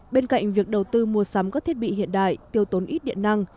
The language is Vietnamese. bên cạnh việc đầu tư mua sắm các thiết bị hiện đại tiêu tốn ít điện năng